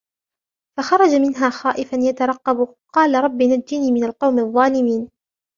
فَخَرَجَ مِنْهَا خَائِفًا يَتَرَقَّبُ قَالَ رَبِّ نَجِّنِي مِنَ الْقَوْمِ الظَّالِمِينَ